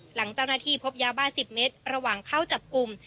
หลังเจ้าหน้าที่พบยาบ้า๑๐เมตรระหว่างเข้าจับกลุ่ม